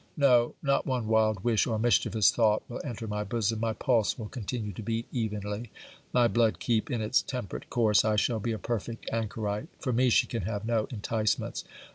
No: not one wild wish or mischievous thought will enter my bosom. My pulse will continue to beat evenly. My blood keep in its temperate course. I shall be a perfect anchorite. For me, she can have no enticements.